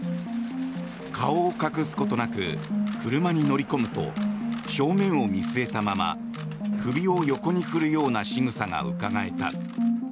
顔を隠すことなく車に乗り込むと正面を見据えたまま首を横に振るようなしぐさがうかがえた。